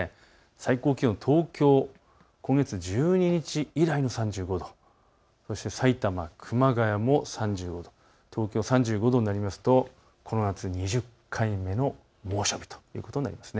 最高気温、東京、今月１２日以来の３５度、さいたま、熊谷も３５度、東京３５度になりますとこの夏２０回目の猛暑日ということになります。